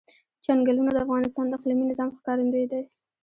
چنګلونه د افغانستان د اقلیمي نظام ښکارندوی ده.